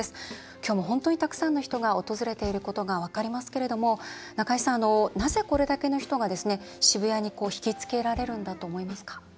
今日も、本当にたくさんの人が訪れていること分かりますけれども中井さん、なぜ、これだけの人が渋谷に引き付けられるんだと思いますか？